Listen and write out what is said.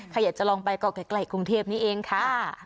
ใครอยากจะลองไปก็ใกล้กรุงเทพนี้เองค่ะ